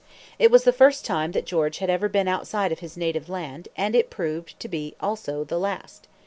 It was the first time that George had ever been outside of his native land, and it proved to be also the last.